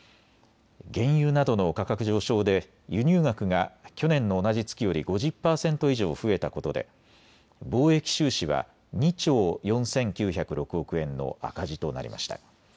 原油などの価格上昇で輸入額が去年の同じ月より５０％以上増えたことで貿易収支は２兆４９０６億円の赤字となりました。